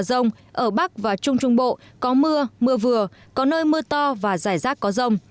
hà nội sáng có mưa rào và rông ở bắc và trung trung bộ có mưa mưa vừa có nơi mưa to và rải rác có rông